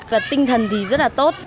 và tinh thần thì rất là tốt